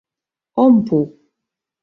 Ом пу.